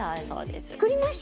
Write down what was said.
作りました？